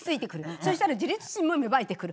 そしたら自立心も芽生えてくる。